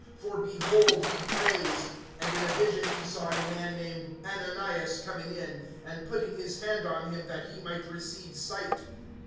For, behold, he prays; (12)and in a vision he saw a man named Ananias coming in, and putting his hand on him, that he might receive sight.